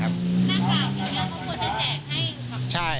หน้ากากอย่างนี้เขาควรจะแจกให้